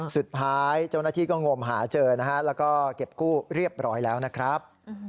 สุดท้ายเจ้าหน้าที่ก็งมหาเจอนะฮะแล้วก็เก็บกู้เรียบร้อยแล้วนะครับ